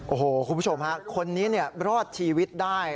โอ้โหคุณผู้ชมฮะคนนี้รอดชีวิตได้